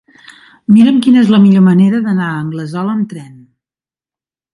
Mira'm quina és la millor manera d'anar a Anglesola amb tren.